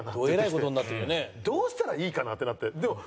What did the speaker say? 「どうしたらいいかな？」って言ってきて。